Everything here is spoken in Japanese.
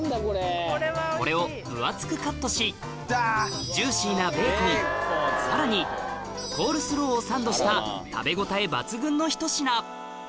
これを分厚くカットしジューシーなベーコンさらにコールスローをサンドした食べ応え抜群のひと品